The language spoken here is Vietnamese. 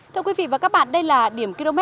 thưa quý vị và các bạn đây là điểm km